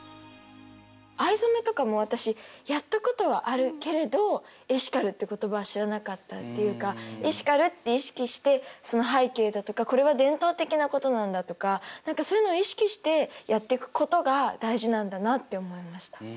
藍染めとかも私やったことはあるけれどエシカルって言葉を知らなかったっていうかエシカルって意識してその背景だとかこれは伝統的なことなんだとか何かそういうのを意識してやっていくことが大事なんだなって思いました。